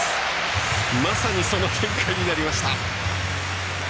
まさに、その展開になりました。